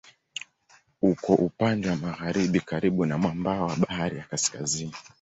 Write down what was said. Uko upande wa magharibi karibu na mwambao wa Bahari ya Kaskazini.